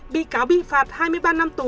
bị cáo bị phạt hai mươi ba năm tù